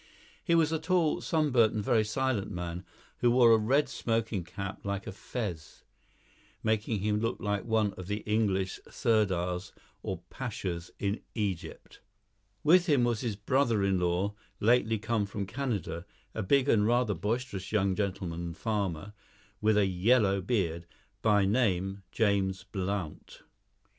He was a tall, sunburnt, and very silent man, who wore a red smoking cap like a fez, making him look like one of the English Sirdars or Pashas in Egypt. With him was his brother in law, lately come from Canada, a big and rather boisterous young gentleman farmer, with a yellow beard, by name James Blount.